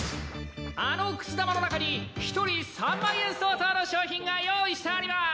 あのくす玉の中に１人３万円相当の賞品が用意してあります！